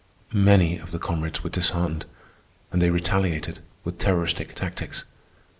Many of the comrades were disheartened, and they retaliated with terroristic tactics.